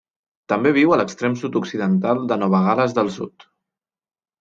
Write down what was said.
També viu a l'extrem sud-occidental de Nova Gal·les del Sud.